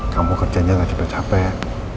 kamu kerjanya gak capek capek